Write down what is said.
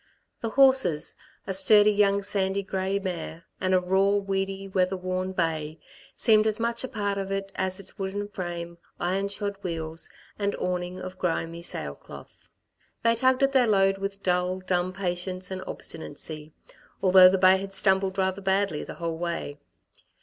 The horses a sturdy young sandy grey mare and a raw, weedy, weather worn bay seemed as much part of it as its wooden frame, ironshod wheels, and awning of grimy sailcloth. They tugged at their load with dull, dumb patience and obstinacy, although the bay had stumbled rather badly the whole way.